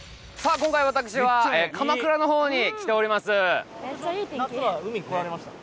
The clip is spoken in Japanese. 今回私は鎌倉の方に来ております